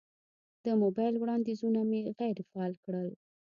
د موبایل وړاندیزونه مې غیر فعال کړل.